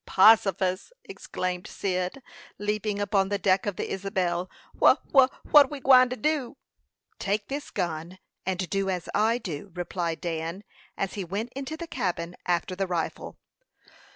"Possifus!" exclaimed Cyd, leaping upon the deck of the Isabel. "Wha wha what we gwine to do?" "Take this gun, and do as I do," replied Dan, as he went into the cabin after the rifle.